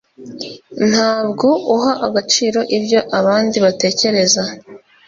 ntabwo uha agaciro ibyo abandi batekereza